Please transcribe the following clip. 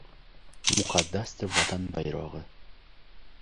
Muqaddasdir Vatan bayrog‘i!